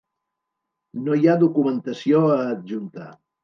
No hi ha documentació a adjuntar.